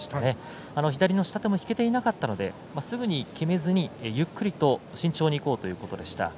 左の下手を引けていなかったのですぐきめずに、ゆっくりと慎重にいこうということでした。